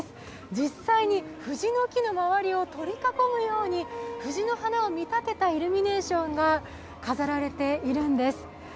実際に藤の木の周りを取り囲むように藤の花を見立てたイルミネーションが飾られているんです。